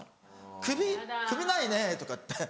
「首首ないね」とかって。